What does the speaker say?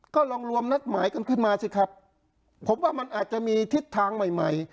ก็ลองรวมนัดหมายกันขึ้นมาสิครับผมว่ามันอาจจะมีทิศทางใหม่ใหม่